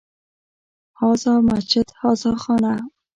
هذا مسجد، هذا خانه